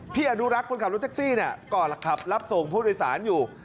พี่อนุรักษ์คนขับรถแท็กซี่ก็ขับรับส่งผู้โดยสารอยู่